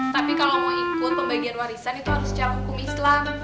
tapi kalau mau ikut pembagian warisan itu harus secara hukum islam